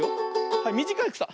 はいみじかいくさ。